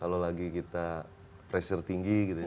kalau lagi kita pressure tinggi gitu ya